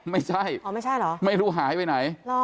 ไม่ใช่เหรอไม่รู้หายไปไหน